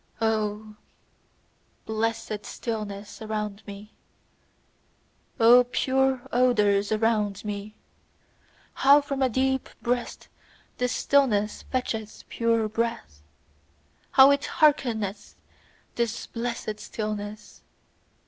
O blessed stillness around me! O pure odours around me! How from a deep breast this stillness fetcheth pure breath! How it hearkeneth, this blessed stillness!